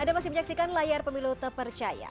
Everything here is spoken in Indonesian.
anda masih menyaksikan layar pemilu terpercaya